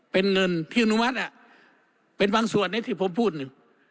เป็นเงินที่อนุมัติเป็นบางส่วนในที่ผมพูดนี่